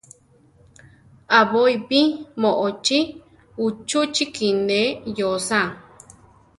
Aʼbóipi moʼochí uchúchiki neʼé yóosa.